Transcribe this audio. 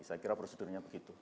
saya kira prosedurnya begitu